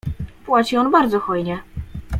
"Płaci on bardzo hojnie."